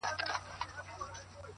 ستا په لاره کې بایلي ځلمي سرونه